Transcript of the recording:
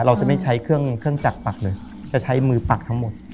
เราจะไม่ใช้เครื่องเครื่องจักรปักเลยจะใช้มือปักทั้งหมด